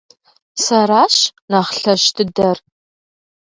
Сэращ нэхъ лъэщ дыдэр!